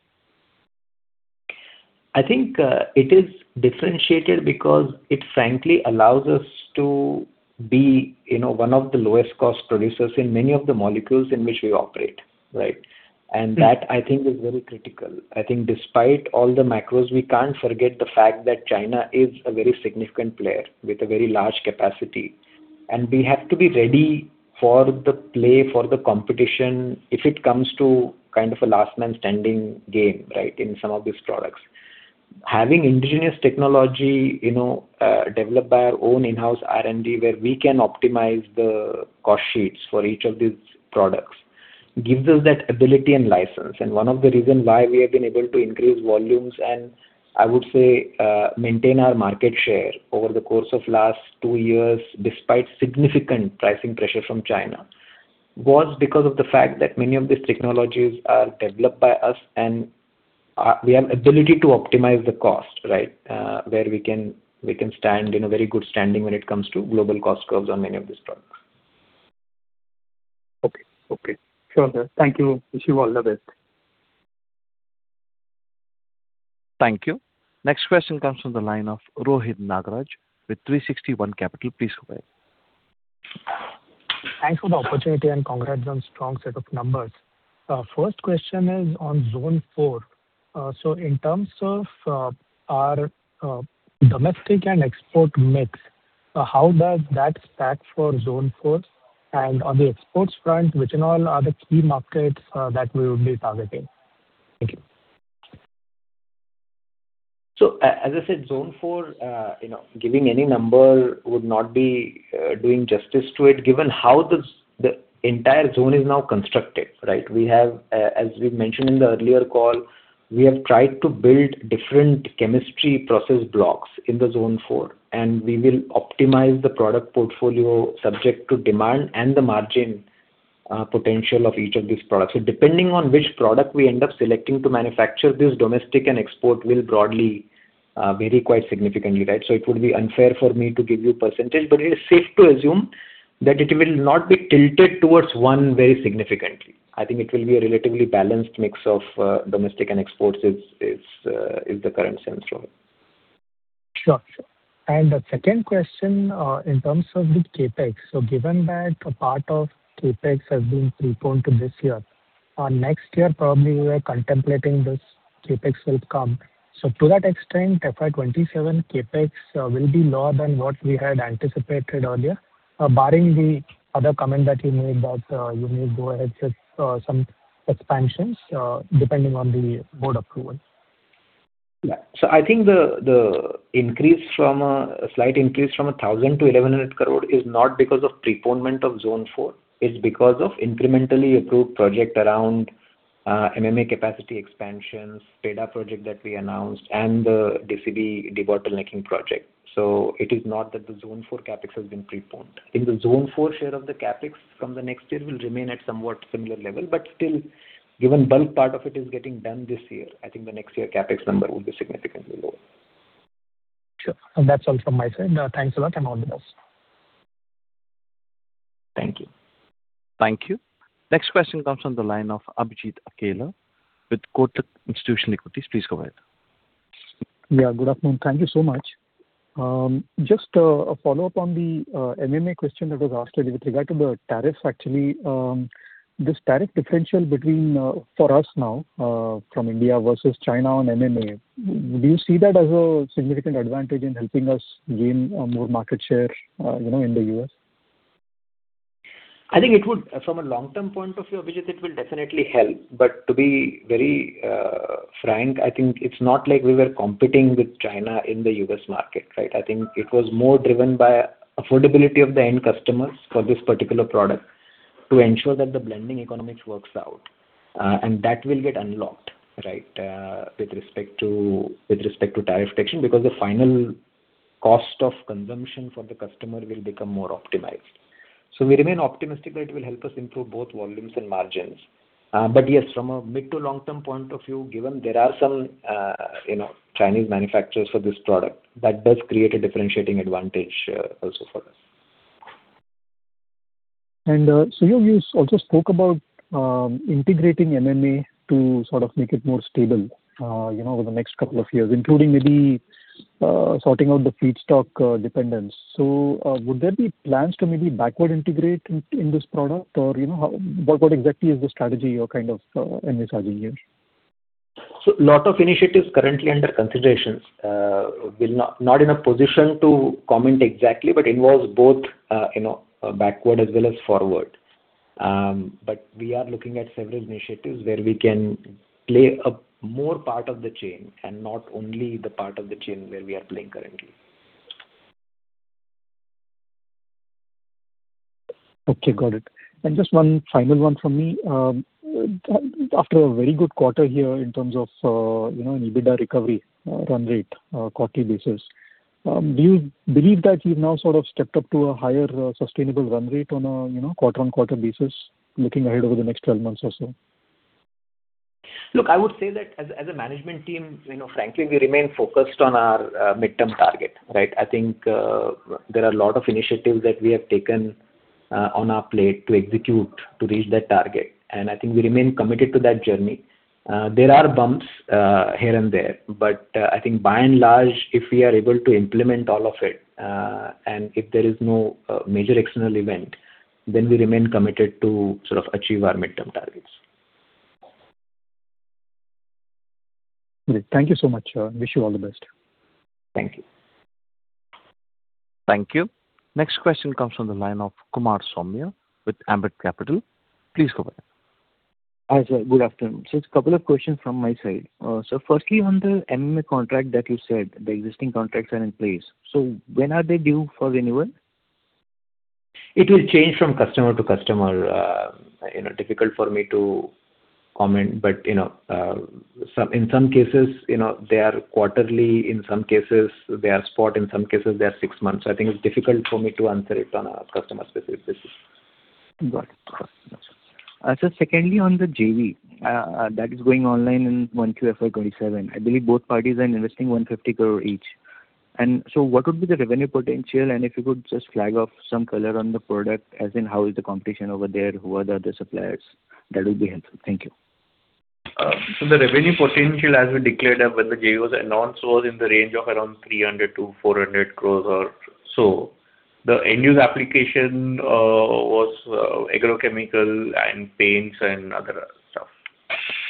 I think, it is differentiated because it frankly allows us to be, you know, one of the lowest cost producers in many of the molecules in which we operate, right? Mm. That, I think, is very critical. I think despite all the macros, we can't forget the fact that China is a very significant player with a very large capacity, and we have to be ready for the play, for the competition, if it comes to kind of a last man standing game, right, in some of these products. Having indigenous technology, you know, developed by our own in-house R&D, where we can optimize the cost sheets for each of these products, gives us that ability and license. One of the reasons why we have been able to increase volumes, and I would say, maintain our market share over the course of last two years, despite significant pricing pressure from China, was because of the fact that many of these technologies are developed by us, and, we have ability to optimize the cost, right, where we can, we can stand in a very good standing when it comes to global cost curves on many of these products. Okay. Okay. Sure, sir. Thank you. Wish you all the best. Thank you. Next question comes from the line of Rohit Nagaraj, with 360 ONE Capital. Please go ahead. Thanks for the opportunity, and congrats on strong set of numbers. First question is on Zone-4. So in terms of our domestic and export mix, how does that stack for Zone-4? And on the exports front, which in all are the key markets that we will be targeting? Thank you. So as I said, Zone-4, you know, giving any number would not be doing justice to it, given how this, the entire zone is now constructed, right? We have, as we've mentioned in the earlier call, we have tried to build different chemistry process blocks in the Zone-4, and we will optimize the product portfolio subject to demand and the margin potential of each of these products. So depending on which product we end up selecting to manufacture, this domestic and export will broadly vary quite significantly, right? So it would be unfair for me to give you percentage, but it is safe to assume that it will not be tilted towards one very significantly. I think it will be a relatively balanced mix of domestic and exports is the current sense, Rohit. Sure. And the second question, in terms of the CapEx. So given that a part of CapEx has been preponed to this year, next year, probably we are contemplating this CapEx will come. So to that extent, FY 2027 CapEx will be lower than what we had anticipated earlier, barring the other comment that you made, that you may go ahead with some expansions, depending on the board approval. Yeah. So I think the increase from a slight increase from 1,000 crore to 1,100 crore is not because of preponement of Zone-4, it's because of incrementally approved project around MMA capacity expansions, PEDA project that we announced and the DCB debottlenecking project. So it is not that the Zone-4 CapEx has been preponed. In the Zone-4 share of the CapEx from the next year will remain at somewhat similar level, but still, given bulk part of it is getting done this year, I think the next year CapEx number will be significantly lower. Sure. That's all from my side. Thanks a lot, and all the best. Thank you. Thank you. Next question comes from the line of Abhijit Akella with Kotak Institutional Equities. Please go ahead. Yeah, good afternoon. Thank you so much. Just a follow-up on the MMA question that was asked earlier with regard to the tariffs. Actually, this tariff differential between for us now from India versus China on MMA, do you see that as a significant advantage in helping us gain more market share, you know, in the US? From a long-term point of view, Abhijit, it will definitely help. But to be very frank, I think it's not like we were competing with China in the U.S. market, right? I think it was more driven by affordability of the end customers for this particular product to ensure that the blending economics works out. And that will get unlocked, right, with respect to, with respect to tariff protection, because the final cost of consumption for the customer will become more optimized. So we remain optimistic that it will help us improve both volumes and margins. But yes, from a mid to long-term point of view, given there are some, you know, Chinese manufacturers for this product, that does create a differentiating advantage, also for us. And, so you also spoke about integrating MMA to sort of make it more stable, you know, over the next couple of years, including maybe sorting out the feedstock dependence. So, would there be plans to maybe backward integrate in this product? Or, you know, how, what exactly is the strategy you're kind of envisaging here? So, lot of initiatives currently under considerations. We're not, not in a position to comment exactly, but involves both, you know, backward as well as forward. But we are looking at several initiatives where we can play a more part of the chain and not only the part of the chain where we are playing currently. Okay, got it. And just one final one from me. After a very good quarter here in terms of, you know, an EBITDA recovery, run rate, quarterly basis, do you believe that you've now sort of stepped up to a higher, sustainable run rate on a, you know, quarter-on-quarter basis, looking ahead over the next 12 months or so? Look, I would say that as a management team, you know, frankly, we remain focused on our midterm target, right? I think there are a lot of initiatives that we have taken on our plate to execute to reach that target, and I think we remain committed to that journey. There are bumps here and there, but I think by and large, if we are able to implement all of it, and if there is no major external event, then we remain committed to sort of achieve our midterm targets. Thank you so much, sir. Wish you all the best. Thank you. Thank you. Next question comes from the line of Kumar Saumya with Ambit Capital. Please go ahead. Hi, sir. Good afternoon. Just a couple of questions from my side. So firstly, on the MMA contract that you said the existing contracts are in place, so when are they due for renewal? It will change from customer to customer. You know, difficult for me to comment, but, you know, in some cases, they are quarterly, in some cases, they are spot, in some cases, they are six months. I think it's difficult for me to answer it on a customer-specific basis. Got it. So secondly, on the JV, that is going online in 1Q FY 2027, I believe both parties are investing 150 crore each. And so what would be the revenue potential? And if you could just flag off some color on the product, as in how is the competition over there? Who are the other suppliers? That would be helpful. Thank you. So, the revenue potential, as we declared when the JV was announced, was in the range of around 300 crores-400 crores or so. The end-use application was agrochemical and paints and other stuff.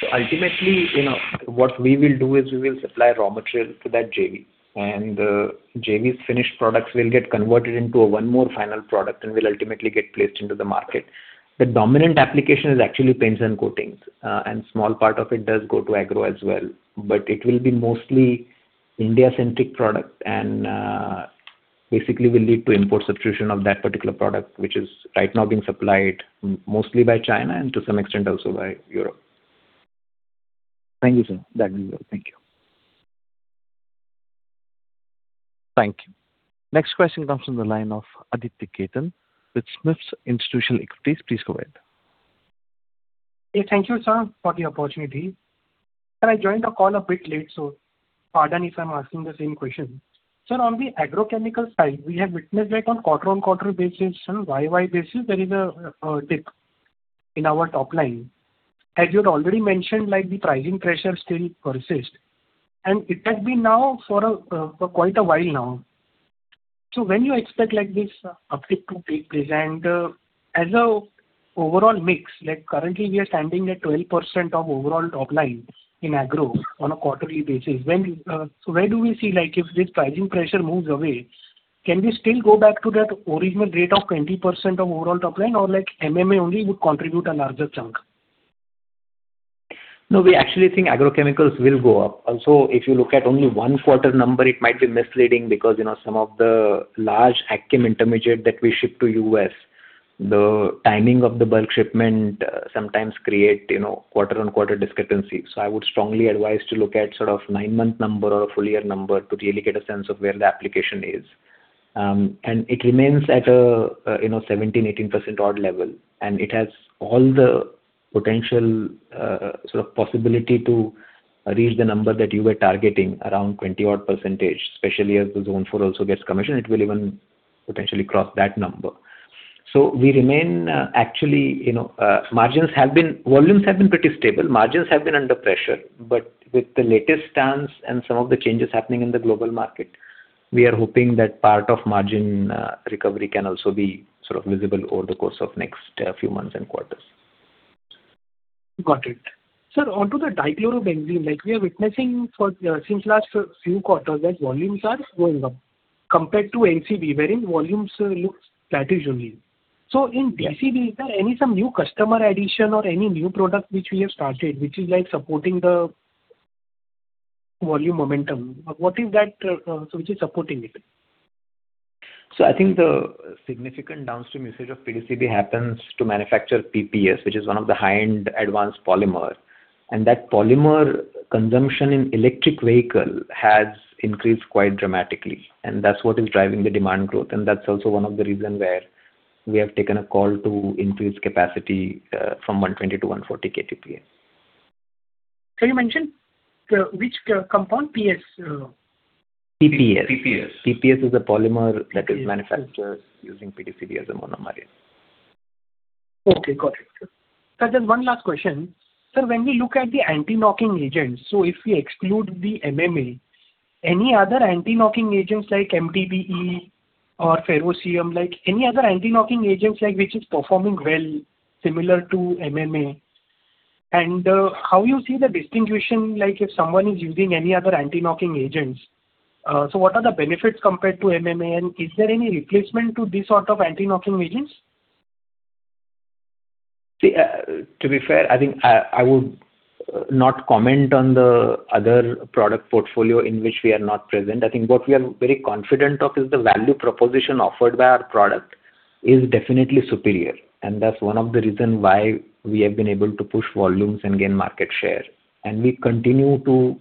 So ultimately, you know, what we will do is we will supply raw material to that JV, and the JV's finished products will get converted into one more final product and will ultimately get placed into the market. The dominant application is actually paints and coatings, and small part of it does go to agro as well. But it will be mostly India-centric product, and basically will lead to import substitution of that particular product, which is right now being supplied mostly by China and to some extent also by Europe. Thank you, sir. That will be all. Thank you. Thank you. Next question comes from the line of Aditya Khetan with SMIFS Institutional Equity. Please go ahead. Hey, thank you, sir, for the opportunity. Sir, I joined the call a bit late, so pardon if I'm asking the same question. Sir, on the agrochemical side, we have witnessed that on quarter-on-quarter basis and YoY basis, there is a dip in our top line. As you had already mentioned, like, the pricing pressure still persists, and it has been now for quite a while now. So when you expect, like, this uptick to take place? And as a overall mix, like, currently we are standing at 12% of overall top line in agro on a quarterly basis. So where do we see, like, if this pricing pressure moves away, can we still go back to that original rate of 20% of overall top line, or like MMA only would contribute a larger chunk? No, we actually think agrochemicals will go up. Also, if you look at only one quarter number, it might be misleading because, you know, some of the large agchem intermediate that we ship to U.S., the timing of the bulk shipment sometimes create, you know, quarter-on-quarter discrepancies. So I would strongly advise to look at sort of nine-month number or a full year number to really get a sense of where the application is. And it remains at a, you know, 17%-18% odd level, and it has all the potential, sort of possibility to reach the number that you were targeting around 20%-odd, especially as the zone four also gets commissioned, it will even potentially cross that number. So we remain. Actually, you know, margins have been, volumes have been pretty stable. Margins have been under pressure, but with the latest stance and some of the changes happening in the global market, we are hoping that part of margin, recovery can also be sort of visible over the course of next few months and quarters. Got it. Sir, onto the dichlorobenzene, like, we are witnessing for, since last few quarters, that volumes are going up compared to NCB, wherein volumes looks static only. So in DCB, is there any some new customer addition or any new product which we have started, which is, like, supporting the volume momentum? What is that, which is supporting it? So I think the significant downstream usage of DCB happens to manufacture PPS, which is one of the high-end advanced polymers, and that polymer consumption in electric vehicle has increased quite dramatically, and that's what is driving the demand growth, and that's also one of the reason where we have taken a call to increase capacity from 120 KTPA to 140 KTPA. So you mentioned the, which, compound? PS. PPS. PPS. PPS is a polymer that is manufactured using DCB as a monomer material. Okay, got it. Sir, just one last question. Sir, when we look at the anti-knocking agents, so if we exclude the MMA, any other anti-knocking agents like MTBE or ferrocene, like any other anti-knocking agents, like, which is performing well similar to MMA? And how you see the distinction, like, if someone is using any other anti-knocking agents, so what are the benefits compared to MMA? And is there any replacement to this sort of anti-knocking agents? See, to be fair, I think I would not comment on the other product portfolio in which we are not present. I think what we are very confident of is the value proposition offered by our product is definitely superior, and that's one of the reason why we have been able to push volumes and gain market share. And we continue to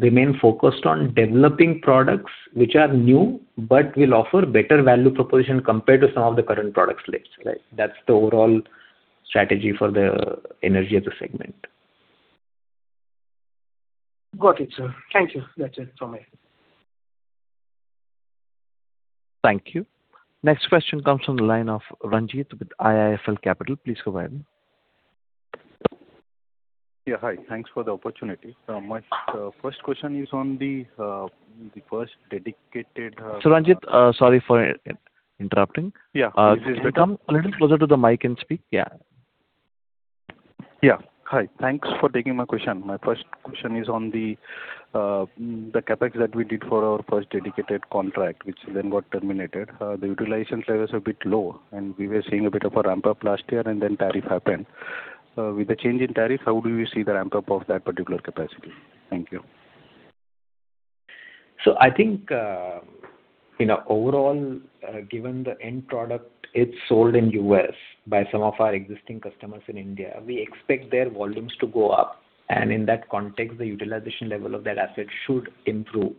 remain focused on developing products which are new, but will offer better value proposition compared to some of the current product slates, right? That's the overall strategy for the energy of the segment. Got it, sir. Thank you. That's it from me. Thank you. Next question comes from the line of Ranjit with IIFL Capital. Please go ahead. Yeah, hi. Thanks for the opportunity. My first question is on the first dedicated, So Ranjit, sorry for interrupting. Yeah. Can you come a little closer to the mic and speak? Yeah. Yeah. Hi, thanks for taking my question. My first question is on the, the CapEx that we did for our first dedicated contract, which then got terminated. The utilization there was a bit low, and we were seeing a bit of a ramp-up last year, and then tariff happened. With the change in tariff, how do you see the ramp-up of that particular capacity? Thank you. So I think, you know, overall, given the end product, it's sold in U.S. by some of our existing customers in India. We expect their volumes to go up, and in that context, the utilization level of that asset should improve.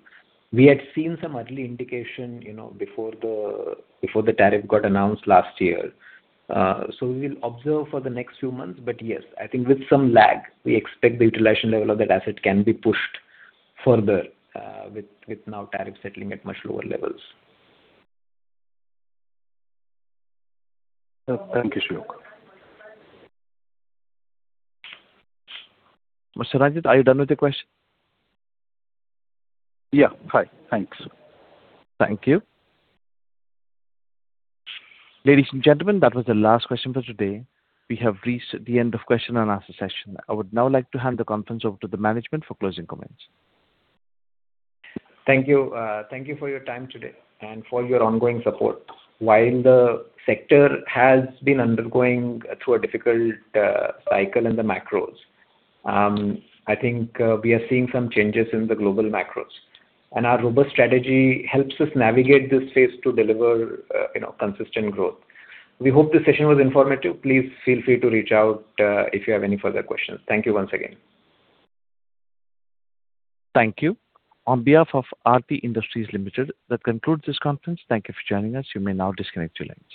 We had seen some early indication, you know, before the tariff got announced last year. So we'll observe for the next few months, but yes, I think with some lag, we expect the utilization level of that asset can be pushed further, with now tariff settling at much lower levels. Thank you, Suyog. So Ranjit, are you done with your question? Yeah. Hi, thanks. Thank you. Ladies and gentlemen, that was the last question for today. We have reached the end of question and answer session. I would now like to hand the conference over to the management for closing comments. Thank you. Thank you for your time today, and for your ongoing support. While the sector has been undergoing through a difficult cycle in the macros, I think we are seeing some changes in the global macros. Our robust strategy helps us navigate this phase to deliver, you know, consistent growth. We hope this session was informative. Please feel free to reach out if you have any further questions. Thank you once again. Thank you. On behalf of Aarti Industries Limited, that concludes this conference. Thank you for joining us. You may now disconnect your line.